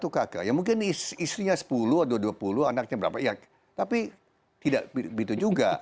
satu kakak yang mungkin istrinya sepuluh atau dua puluh anaknya berapa ya tapi tidak begitu juga